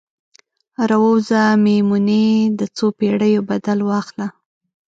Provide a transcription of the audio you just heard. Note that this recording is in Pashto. راووځه میمونۍ، د څوپیړیو بدل واخله